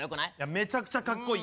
めちゃくちゃかっこいい。